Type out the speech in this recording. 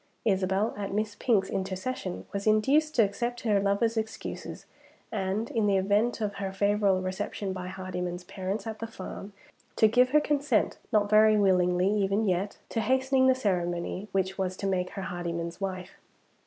Isabel, at Miss Pink's intercession, was induced to accept her lover's excuses, and, in the event of her favorable reception by Hardyman's parents at the farm, to give her consent (not very willingly even yet) to hastening the ceremony which was to make her Hardyman's wife.